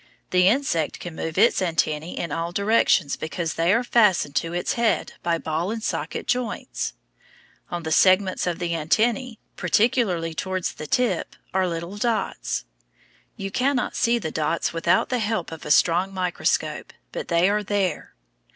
The insect can move its antennæ in all directions because they are fastened to its head by ball and socket joints. On the segments of the antennæ, particularly towards the tip, are little dots. You cannot see the dots without the help of a strong microscope, but they are there.